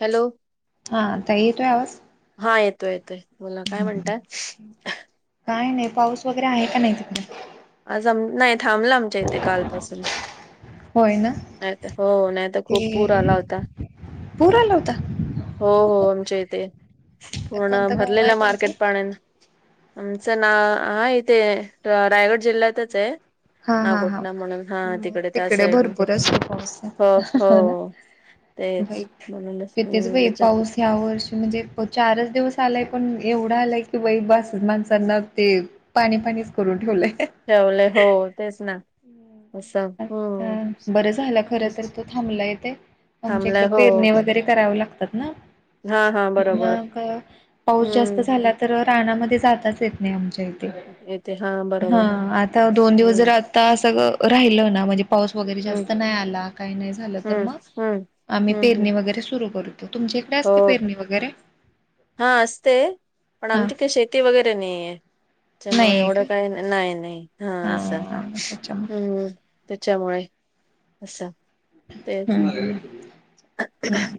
Hello. हा, आता येतोय आवाज? हा, येतोय-येतोय. बोला काय म्हणताय? काय नाही, पाऊस वगैरे आहे का नाही तिकडे? आज आम, नाही थांबला आमच्या इथे कालपासून. होय ना नाही त, हो नाही तर ते खूप पूर आला होता. पूर आला होता? हो, हो आमच्या इथे, पूर्ण कोणतं गाव आहे भरलेलं तुमचं मार्केट पाण्यान आमचं ना हा इथे, रायगड जिल्ह्यातच हाय. हा हा हा नागोटला म्हणून, हा मग तिकडे त्या साईडला भरपूर असतो पाऊस हो, हो. तेच बाई म्हणूनच, कितीच म्हणून बाई त्येच्यात. पाऊस ह्या वर्षी म्हणजे, चारच दिवस आलाय पण एवढा आलाय की बाई बास माणसांना ते पाणी -पाणीच करून ठेवलंय. ठेवलय हो, तेच ना. असं हम्म आता, बरं झालं खर तर तो थांबला येते. आमच्या इकडे थांबलाय हो पेरणे वगैरे करावे लागतात ना. हा हा बरोबर मग, पाऊस जास्त हम्म झाला तर रानामध्ये जाताच येत नाही आमच्या इथ. येते हा, बरोबर आता दोन दिवस जर हम्म आता, सगळं राहिलं ना म्हणजे पाऊस वगैरे हम्म जास्त नाही आला. काही नाही झालं तर हम्म मग, हम्म आम्ही हम्म पेरणी हम्म वगैरे सुरू करू. तुमच्याइकडे हो, हा असते पण हा आमची कशी आहेत ती वगैरे नाहीे. त्यामुळे नाहीये का? एवढं काही नाही, नाही. हा असा, हम्म. त्याच्यामुळे, असा तेच. हम.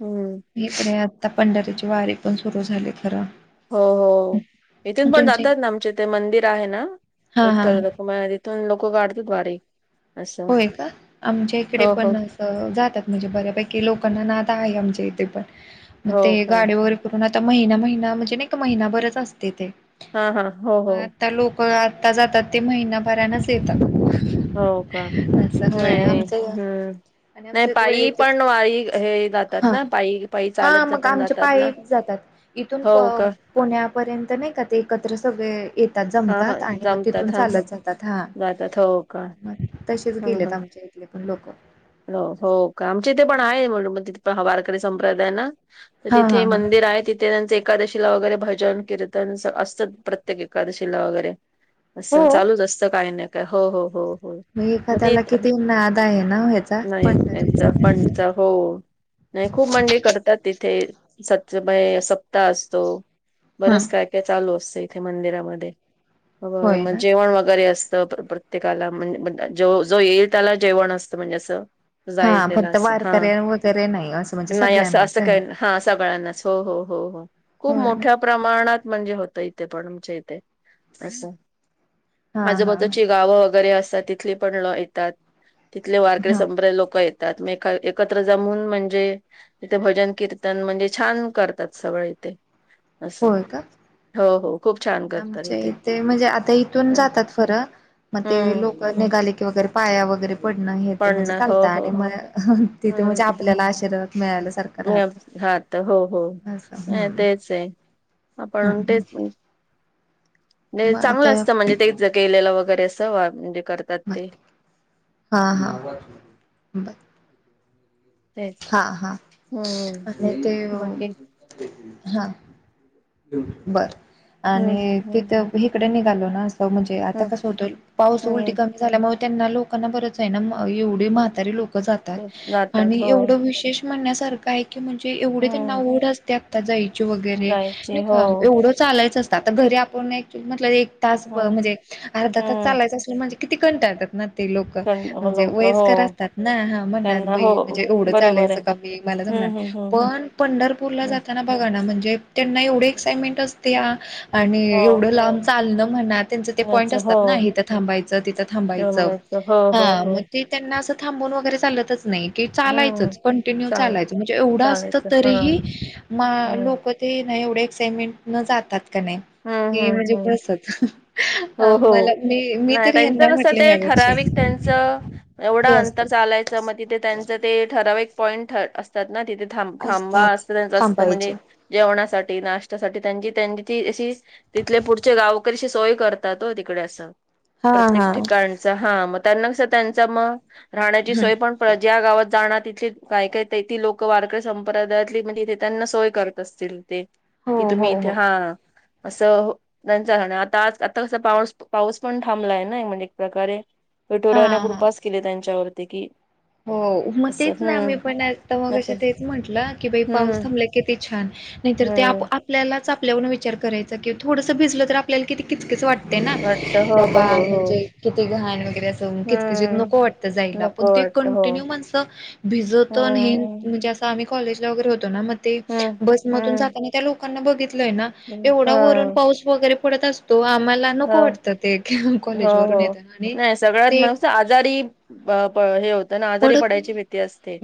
हम्म इकडे आता पंढऱ्याचे वारी पण सुरू झाली खरं. हो, हो इथून पण तुमचे जातात ना आमचे इथे मंदिर आहे ना, हा हा हा विठ्ठल रखुमाई त लोकं काढत्यात वारी. असं होय का? आमच्या इकडे हो हो पण असतं. जातात म्हणजे बऱ्यापैकी लोकांना नाद आहे आमच्या इथे पण, मग हो ते काय गाडीवर करून आता महिना- महिना म्हणजे नई का महिनाभरच असतय ते. हा, हा. हो, हो. तर लोक आता जातात. ते महिनाभरानच येतात हो का अस होय नाही आमच नाही. हम्म आणि नाही आमच पायी वैयक्तिक पण वारी हे जातात हा. ना पायी पायी हा चालत जा- मग पण आमचे जातात ना पाइक जातात. इथून हो प का पुण्यापर्यंत नाही का ते एकत्र सगळे ये त्यात हा हा जमतात आणि मग तिथून जमतात हा हा. चालत जातात हा. जातात हो का मग शीच ह गेलेत ह आमच्या इथले पण लोक. हो हो का आमच्या इथे पण आहे म्ह मग त पण वारकरी संप्रदाय ना? तर हा हा तिथे हा मंदिर आहे तिथे त्यांचं एकादशीला वगैरे भजन कीर्तन अस असतं प्रत्येकी एकादशीला वगैरे असं हो. चालूच असतं काही नाही काय हो हो हो. म मग ते एखाद्याला किती नाद आहे ना ह्याचा? पंढरी चा पणचा हो. नाही खूप म्हंजे करतात तिथे. सत्तबय सप्ताह असतो. हा. बरंच काय काय चालू असतं इथे मंदिरामध्ये. होय मग जेवण वगैरे असतं बर बर. प्रत्येकाला म्ह ज म न जो येईल त्याला जेवण असतं म्हणजे असं. हा जाई त्याला फक्त असं हा. वारकऱ्या वगैरे नाही असं म्हणजे नाही असं सगळ्यांनाच असं आहे ना काही हा सगळ्यांनाच हो हो हो हो. खूप होय ना मोठ्या प्रमाणात म्हणजे होतं इथे पण आमच्या इथे असं. हा आजु हा बाजूची गावं वगैरे असतात तिथली पण ल येतात. तिथले वारकरी हा संप्र लोक येतात मग एक एकत्र जमवून म्हणजे तिथे भजन कीर्तन म्हणजे छान करतात सगळे इथे. असं होय हो हो खूप छान करत चे ते म्हणजे आता इथून जातात फरं मग ते हम्म लोक निघाले की वगैरे पाया वगैरे पडणं हे ते पण म्हणजे ना. हो चालतं हो आणि म तिथे म्हणजे हम्म आपल्याला आशीर्वाद मिळाल्यासारखं राहतं. त हो -हो असं हम्म तेच आहे आपण हून हम्म हम्म तेच म्हणजे ते मग चांगलं आता असतं म्हणजे ते ज गेलेलं वगैरे असं वा म्हणजे करतात बर ते हा हा बर. तेच हा हा हम्म आणि ते बाकी -हा. बर हम्म आणि हम्म तिथ हम्म तिकडे निघालो ना असं म्हणजे आता हम्म कस होत. पाऊस उल हम्म ठिकाणी झाल्यामुळ त्यांना लोकांना बरच आहे ना म एवढी म्हातारी लोक जातात ते जातात आणि हो एवढ विशेष म्हणण्या सारख हाय. की म्हणजे एवढ त्यांना हम्म ओढ असत्या आता जायची वगैरे नाई जायचे हो का? पुढ चालायच असत आता घरी आपण एक्चुली म्हणजे एक तास हम्म म्हणजे अर्धा तास हम्म चालायच असेल म्हंजे किती कंटाळतात ना? ते लोक पण- हो म्हणजे लोक हो वयस्कर असतात ना? हा म्हणणार त्यांना बाई हो म्हणजे एवढं बरोबर चालायचं आहे का? हे मला जमणार हम्म नाही हम्म हम्म पण पंढरपूरला हम्म जाताना बघा ना? म्हणजे त्यांना एवढे एक्साइटमेंट असत्या आणि हो एवढं लांब चालण म्हणा त्यांच ते पॉईंट नाच हो असतात ना? हित थांबायच तिथं थांबायचं. तेव्हाच हो हा हो हो मग ते त्यांना अस थांबून वगैरे चालतच नाही. की हम्म चालायचच कंटिन्यू चालेल चालायचं म्हणजे एवढं असत चालायचं हा तरीही मा हो लोक ते नाही एवढे एक्साइटमेंट न जातात का नाही हम्म कि हम्म म्हणजे हम्म कस च हो हो नाही त्यांच कसं म्हटले ते ह्या वर्षी ठराविक त्यांचं एवढं हे अंतर असतात. चालायचं च म तिथ त्यांच ते ठराविक पॉईंट अस असतात ना तिथे थांब थांबा असतात असतं असतं थांबायचे. म्हणजे जेवणासाठी नाश्त्यासाठी त्यांची -त्यांची ती [unintelligible] तिथले पुढचे गावकरी असे सोय करतात ओ तिकडे असं. हां, प्रत्येक हां. ठिकाण चा. हा मग त्यांना कसं. त्यांचा मग, राहण्याची हं. सोय पण ज्या गावात जाणार तिथे. काय - काय तेती लोक वारकरी संप्रदायातली. म्हणजे, ते त्यांना सोय करत असतील ते. हो, कि, तुम्ही हो, इथे, हो. हा. असं त्यांच्यासाठी. आता आज, आता कसा, पाऊस- पाऊस पण थांबलाय ना. म्हणजे एक प्रकारे हा विटोरायाने हा. कृपास केली त्यांच्यावरती. की हो, मग तेच ना. मी पण आता, मघाशी तेच म्हंटलं. की, बाई हम्म पाऊस थांबलाय कि ती छान. नाही तर ते आप हम्म - आपल्यालाच, आपल्याऊन विचार करायचा कि, थोडसं भिजलं तर आपल्याला किती किचकिच वाटते ना. वाटत हो बाबा हो हो म्हणजे, किती घाण वगैरे अस कीचकीचीत हम्म नको वाटतं, जाईला. पण नको ते वाटत पण हो ते माणसं, भिजतं न हेन. हम्म म्हणजे असं, आम्ही कॉलेजला वगैरे होतो ना. मग ते, हम्म बसमधून हम्म जाताना त्या लोकांना बघितलंय ना. एवढा वरून हा पाऊस वगैरे पडत असतो. आम्हाला नको हा वाटतं ते. [unintelligible] हो कॉलेज हो वरून येताना. आणि ते आजारी प प हे होत पडत नाही.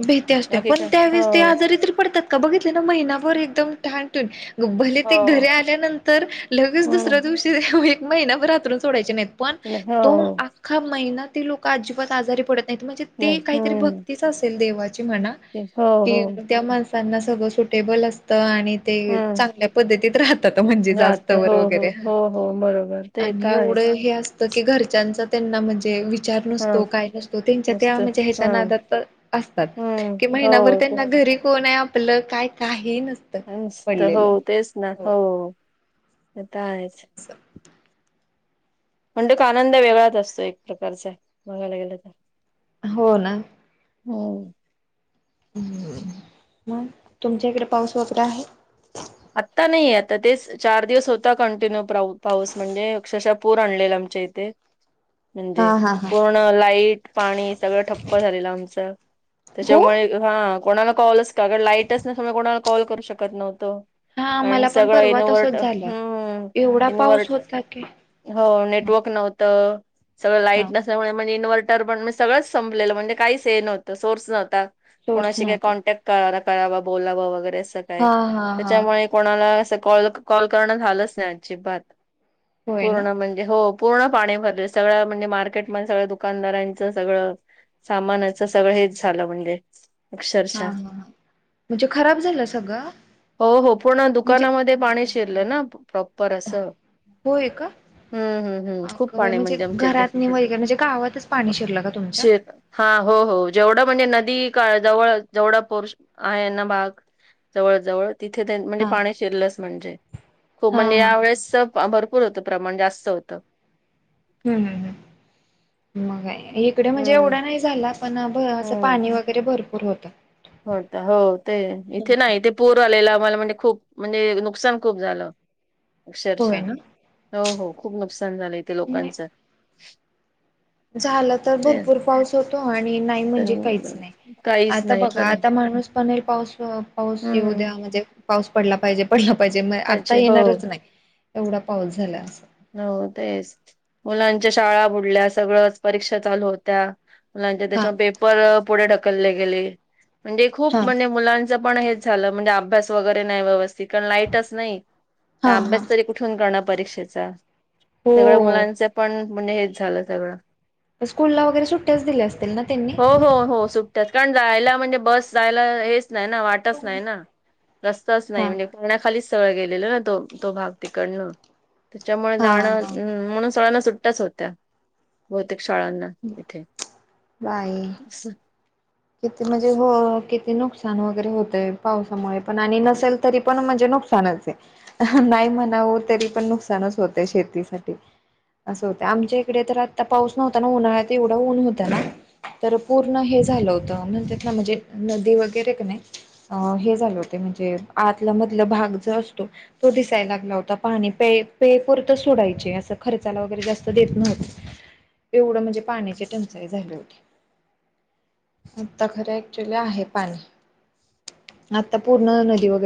भीती असत्या. बाकी पण काय हो त्यावेेळेस ते आजारी तरी पडतात का? बघितलं ना. महिनाभर एकदम ठाण टून. भले ते हो घरी आल्यानंतर. लगेच दुसऱ्या हम्म दिवशी, एक महिनाभर हात्रुन सोडायचे नाहीत. पण नाही, तो हो अख्खा महिना, ते लोक अजिबात आजारी पडत नाहीत. म्हणजे ते नाही काहीतरी हम्म भक्तीच असल देवाची म्हणा. ते- हो हो कि, त्या माणसांना सगळं सुटेबल असतं. आणि ते हम्म चांगल्या पद्धतीत राहतात. म्हणजे आता हो जास्तवर हो वगैरे. हो हो बरोबर हा ते आणि तर आहेच एवढं हे असतं की, घरच्यांचा त्यांना म्हणजे, विचार हा नसतो. काय नसतो. त्यांच्यात ह्या मस्त म्हणजे, ह्याच्या हा नादात असतात. हम्म की, महिनाभर हो ते त्यांन घरी कोणय? आप आपलं. काय, काही नसत. सत. हो. तेच ना. हो. ता आहेच. स. [unintelligible] का आनंद वेगळाच असतो, एक प्रकारचा. बघायला गेलं तर. हो, ना. हो. हम. मग, तुमच्या इकडे पाऊस [unintelligible] आहे. आत्ता नाही. आता तेच चार दिवस होता, कंटिन्यू प्राऊ- पाऊस. म्हणजे अक्षरशः पूर आणलेला, आमच्या इथे. हा म्हणजे. हा हा पूर्ण लाईट, पाणी सगळं ठप्प झालेलं आमचं. हो त्याच्यामुळे हा, कोणाला कॉलच का. अगर लाईटच नसल्या मुळं. कोणाला कॉल करू शकत नव्हतो. हा अन् मला पण सगळं परवा इनव्हर्ट, तसच झालं हम्म. एवढा इनव्हर् पाऊस होता की हो, नेटवर्क नव्हतं. सगळं हा लाईट नस त्यामुळे म्हणजे इनवर्टर पण, सगळच संपलेलं. म्हणजे, काहीच हे नवतं. सोर्स नव्हता. सोर्स कोणाशी काही नव्हता कॉन्टॅक्ट करा- करावा, बोलावं वगैरे असं. हा, हा, हा. ते कोणाला असं कॉल - कॉल करणं झालंच नाही, अजिबात. होय ना पूर्ण म्हणजे हो. पूर्ण पाणी भरले. सगळ्या म्हणजे मार्केटमध्ये. सगळ्या दुकानदारांच, सगळं सामानाचं सगळं हेच झालं, म्हणजे. हा, अक्षरशः हा. म्हणजे खराब झालं सगळं. हो, हो. पूर्ण म्हणजे दुकानामध्ये पाणी शिरलं ना. प्रॉपर असं. होय का? हम्म हम्म हम्म अ, खूप गं बाई पाणी म्हणजे आमच्या इथे घरात नाही व्हय म्हणजे गावातच पाणी शिरलं का तुमच्या? शे हा, हो, हो जेवढं म्हणजे नदी काळ जवळ जेवढा पोर्स आहे ना भाग. जवळ, जवळ तिथे म्हणजे हा पाणी शिरलंच म्हणजे, खूप हा म्हणजे हा यावेळेस भरपूर होतं प्रमाण जास्त होतं. हम्, हम, हम मग इकडे म्हणजे हम्म एवढा नाही झाला पण प्रवाहचं पाणी वगैरे भरपूर होतं. होता हो ते इथे नाही हा. इथे पूर आलेला आम्हाला म्हणजे खूप म्हणजे नुकसान खूप झालं [inaudible] अक्षरशः ना हो हो खूप नुकसान झालं इथे नाही लोकांचं झालं तर ते भरपूर पाऊस होतो आणि नाही म्हणजे काहीच तर नाही काहीच आता नाही बघ घा खरं आता माणूस म्हणेल पाऊस पाऊस येऊ हम्म द्या म्हणजे पाऊस पडला पाहिजे पडला पाहिजे मग आता पाहिजे हो येणारच नाही एवढा पाऊस झाला अस. हो तेच मुलांच्या शाळा बुडल्या सगळच परीक्षा चालू होत्या मु हा त्याच्या पेपर पुढे ढकलले गेले म्हणजे हा खूप म्हणजे मुलां ते पण हेच झालं म्हणजे अभ्यास वगैरे नाही व्यवस्थित कारण लाईटच नाही त हा हा अभ्यास तरी कु ठून करणार परीक्षेचा सगळं हो. मुलांच पण म्हणजे हेच झालं सगळं स्कूलला वगैरे सुट्ट्याच दिल्या असतील ना त्यांनी हो हो सुट्ट्याचं कारण जायला म्हणजे बस जायला हेच नाही ना वाटच नाही ना रस्ताच नाही हा. म्हणजे पाण्याखालीच सगळं गेलेलं ना तो तो भाग तिकडनं त्याच्यामुळे हा जाणं हा. म्हणून सगळ्यांना सुट्टाच होत्या बहुतेक शाळांना इथे. बाई किती म्हणजे हो किती नुकसान वगैरे होतय पावसामुळे पण आणि नसेल तरी पण म्हणजे नुक सानच आहे नाही म्हणावं तरी पण नुकसानच होतय शेतीसाठी असं होतय आमच्या इकडे तर आता पाऊस नव्हता ना उन्हाळ्यात एवढं ऊन होतं ना तर पूर्ण हे झालं होतं म्हणत्यातना म्हणजे नदी वगैरे का नाही अ हे झाल होते म्हणजे आतला मधला भाग जो असतो तो दिसायला लागला होता पाणी प्याय पेय पुरतं सोडायचे असं खर्चाला वगैरे जास्त देत नव्हत एवढं म्हणजे पाण्याची टंचाई झाली होती आता खरं ऍक्च्युली आहे पाणी आता पूर्ण नदी वगैरे